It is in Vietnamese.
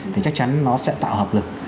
thì chắc chắn nó sẽ tạo hợp lực